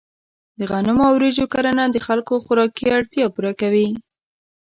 د غنمو او وریجو کرنه د خلکو خوراکي اړتیا پوره کوي.